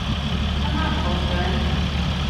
Come on, old friend.